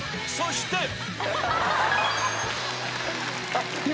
［そして］